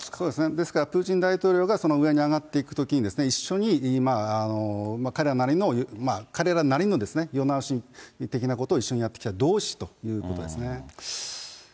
です、プーチン大統領が上に上がっていくときに、一緒に彼らなりの世直し的なことを一緒にやってきた同志ということですね。